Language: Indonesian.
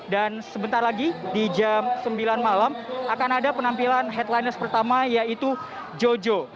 dan sebentar lagi di jam sembilan malam akan ada penampilan headliner pertama yaitu jojo